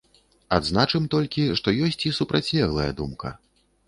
Адзначым толькі, што ёсць і супрацьлеглая думка.